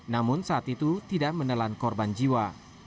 namun saat itu tidak menelan korban jiwa